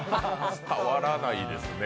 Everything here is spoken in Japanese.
伝わらないですね。